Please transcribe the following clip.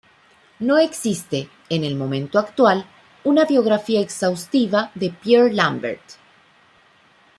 No existe, en el momento actual, una biografía exhaustiva de Pierre Lambert.